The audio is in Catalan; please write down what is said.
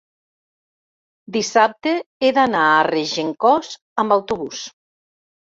dissabte he d'anar a Regencós amb autobús.